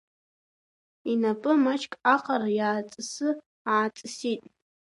Инапы маҷк аҟара иааҵысы-ааҵысит.